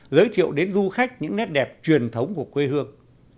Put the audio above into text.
giới thiệu đến du khách những nét đẹp truyền thống của quê hương